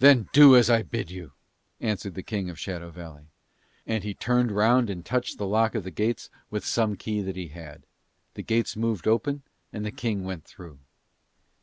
"Then do as I bid you," answered the King of Shadow Valley; and he turned round and touched the lock of the gates with some key that he had. The gates moved open and the King went through.